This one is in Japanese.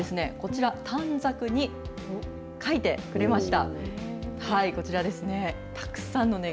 こちら短冊に書いてくれました。